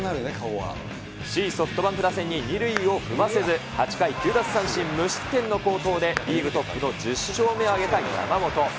首位ソフトバンク打線に２塁を踏ませず、８回、９奪三振無失点の好投でリーグトップの１０勝目を挙げた山本。